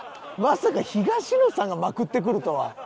まさか東野さんがまくってくるとは。